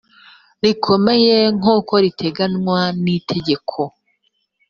rikomeye nk’uko giteganywa n’itegeko